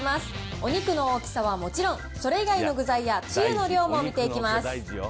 お肉の大きさはもちろん、それ以外の具材やつゆの量も見ていきます。